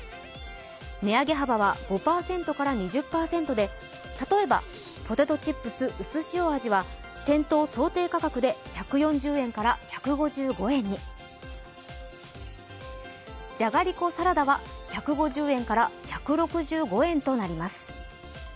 値上げ幅は５％から２０％で例えばポテトチップスうす塩味は店頭想定価格で１４０円から１５５円に、じゃがりこサラダは１５０円から１６５円となります。